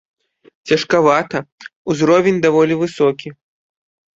Цяжкавата, узровень даволі высокі.